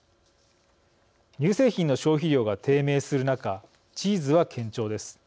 乳製品の消費量が低迷する中チーズは堅調です。